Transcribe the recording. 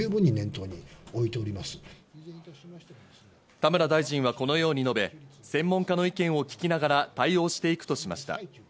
田村大臣はこのように述べ、専門家の意見を聞きながら対応していくとしました。